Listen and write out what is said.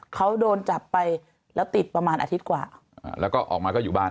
เขาโดนจับไปแล้วติดประมาณอาทิตย์กว่าแล้วก็ออกมาก็อยู่บ้าน